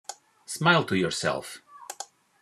Smile to yourself.